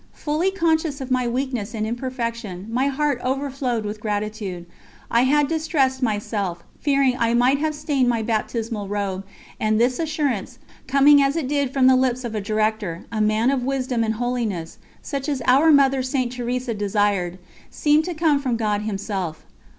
Fully conscious of my weakness and imperfection, my heart overflowed with gratitude. I had distressed myself, fearing I might have stained my baptismal robe, and this assurance, coming as it did from the lips of a director, a man of wisdom and holiness, such as our Mother St. Teresa desired, seemed to come from God Himself.